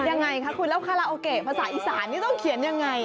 ยังไงคะคุณแล้วคาราโอเกะภาษาอีสานนี่ต้องเขียนยังไง